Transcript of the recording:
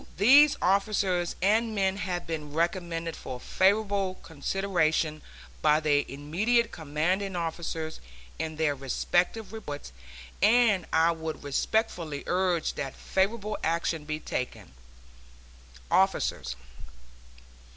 These officers and men have been recommended for favorable consideration by their immediate commanding officers in their respective reports, and I would respectfully urge that favorable action be taken. OFFICERS